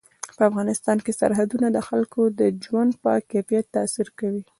په افغانستان کې سرحدونه د خلکو د ژوند په کیفیت تاثیر کوي.